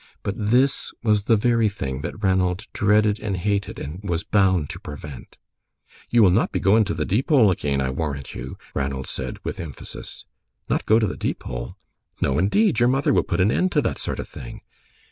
But this was the very thing that Ranald dreaded and hated, and was bound to prevent. "You will not be going to the Deepole again, I warrant you," Ranald said, with emphasis. "Not go to the Deepole?" "No, indeed. Your mother will put an end to that sort of thing."